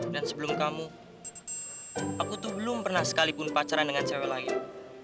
dan sebelum kamu aku tuh belum pernah sekalipun pacaran dengan cewek lain